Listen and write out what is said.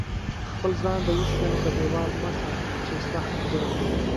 خپل ځان د اوسپنې په دېوال مه ساته چې سخت دی.